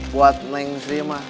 buat neng sri mah